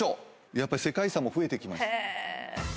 やっぱり世界遺産も増えてきます。